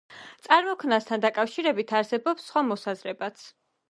წარმოქმნასთან დაკავშირებით არსებობს სხვა მოსაზრებაც.